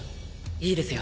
いいですよ。